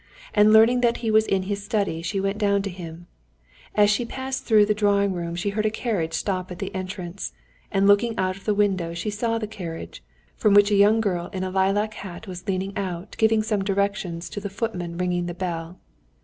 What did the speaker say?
And learning that he was in his study, she went down to him. As she passed through the drawing room she heard a carriage stop at the entrance, and looking out of the window she saw the carriage, from which a young girl in a lilac hat was leaning out giving some direction to the footman ringing the bell.